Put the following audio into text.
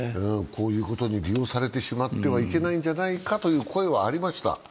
こういうことに利用されてしまってはいけないのではないかという声はありました。